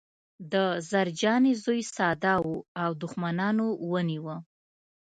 د زرجانې زوی ساده و او دښمنانو ونیوه